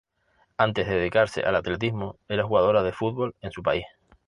Antes de dedicarse al atletismo era jugadora de fútbol en su país.